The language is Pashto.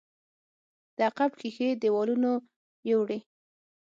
د عقب ښيښې دېوالونو يوړې.